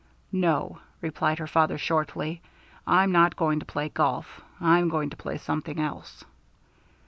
"No," replied her father, shortly, "I'm not going to play golf. I'm going to play something else."